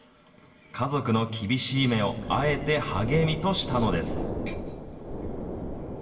家族の厳しい目をあえて励みとしたのです。